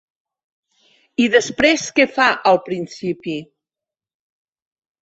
I després què fa, al principi?